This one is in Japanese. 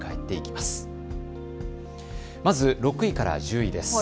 まず６位から１０位です。